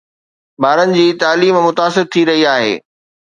ٻارن جي تعليم متاثر ٿي رهي آهي